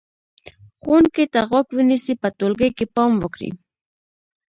ښوونکي ته غوږ ونیسئ، په ټولګي کې پام وکړئ،